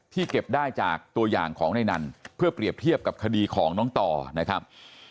เก็บได้จากตัวอย่างของในนั้นเพื่อเปรียบเทียบกับคดีของน้องต่อนะครับ